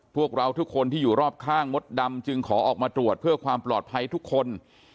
พวกเราทุกคนที่อยู่รอบข้างมดดำจึงขอออกมาตรวจเพื่อความปลอดภัยทุกคน